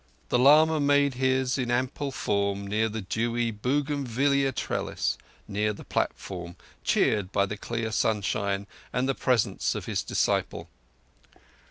The lama made his in ample form near the dewy bougainvillea trellis near the platform, cheered by the clear sunshine and the presence of his disciple.